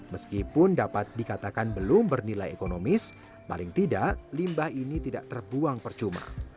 meskipun dapat dikatakan belum bernilai ekonomis paling tidak limbah ini tidak terbuang percuma